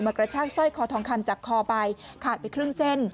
กระชากสร้อยคอทองคำจากคอไปขาดไปครึ่งเส้น